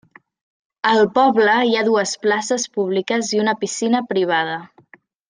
Al poble hi ha dues places públiques i una piscina privada.